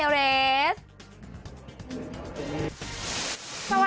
เอลซ่า